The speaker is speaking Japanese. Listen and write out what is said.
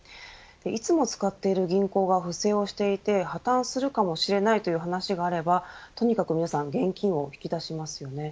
いつも使っている銀行が不正をしていて破綻するかもしれないという話があればとにかく皆さん現金を引き出しますよね。